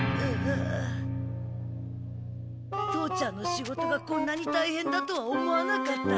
父ちゃんの仕事がこんなにたいへんだとは思わなかった。